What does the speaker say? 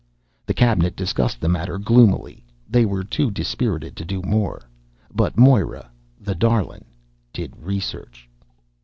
The cabinet discussed the matter gloomily. They were too dispirited to do more. But Moira the darlin' did research.